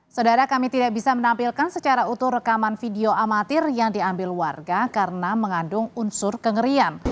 saudara kami tidak bisa menampilkan secara utuh rekaman video amatir yang diambil warga karena mengandung unsur kengerian